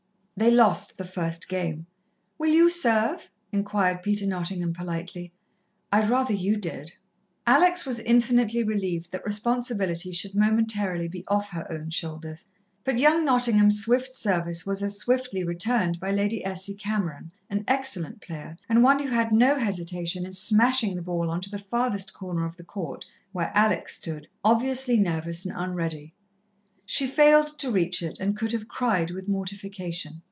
They lost the first game. "Will you serve?" enquired Peter Nottingham politely. "I'd rather you did." Alex was infinitely relieved that responsibility should momentarily be off her own shoulders, but young Nottingham's swift service was as swiftly returned by Lady Essie Cameron, an excellent player, and one who had no hesitation in smashing the ball on to the farthest corner of the court, where Alex stood, obviously nervous and unready. She failed to reach it, and could have cried with mortification.